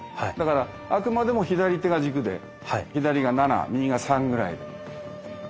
だからあくまでも左手が軸で左が７右が３ぐらいで。